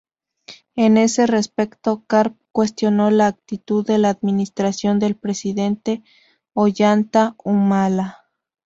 En ese respecto, Karp cuestionó la actitud de la administración del Presidente Ollanta Humala.